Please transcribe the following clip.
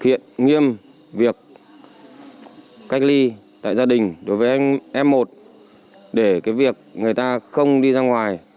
hiện nghiêm việc cách ly tại gia đình đối với f một để việc người ta không đi ra ngoài